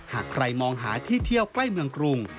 หากใครมองหาที่เที่ยวใกล้เมืองกรุง